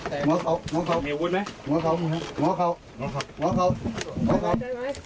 เดี๋ยวดูภาพตรงนี้หน่อยนะฮะเพราะว่าทีมขาวของเราไปเจอตัวในแหบแล้วจับได้พอดีเลยนะฮะ